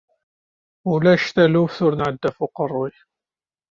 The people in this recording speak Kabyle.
Ulac taluft ur nɛedda ɣef uqerruy.